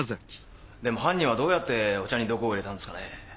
でも犯人はどうやってお茶に毒を入れたんですかね？